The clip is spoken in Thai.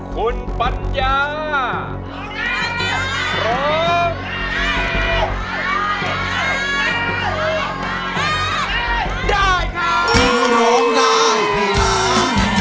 เพราะว่านี่คือปัญญาปัญญาปัญญา